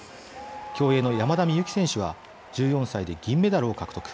競泳の山田美幸選手は１４歳で銀メダルを獲得。